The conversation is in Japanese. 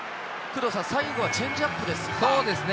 最後はチェンジアップですそうですね。